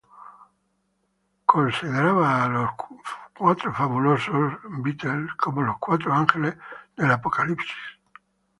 Él considerada a los Fabulosos Cuatro como los cuatro ángeles del Apocalipsis.